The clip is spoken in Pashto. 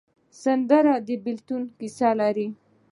سندره د بېلتون کیسې لري